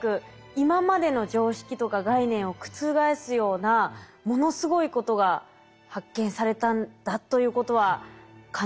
今までの常識とか概念を覆すようなものすごいことが発見されたんだということは感じました。